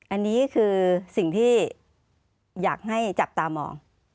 อันนี้คือสิ่งที่อยากให้จับตามอง